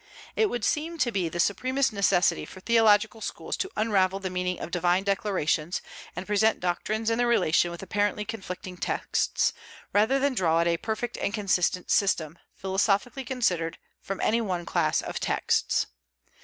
It would seem to be the supremest necessity for theological schools to unravel the meaning of divine declarations, and present doctrines in their relation with apparently conflicting texts, rather than draw out a perfect and consistent system, philosophically considered, from any one class of texts.